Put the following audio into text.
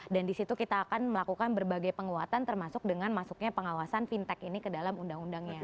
dan disitu kita akan melakukan berbagai penguatan termasuk dengan masuknya pengawasan fintech ini ke dalam undang undangnya